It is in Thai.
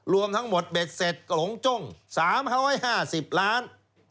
รวมทั้งหมดเบ็ดเสร็จหลงจ้ง๓๕๐ล้าน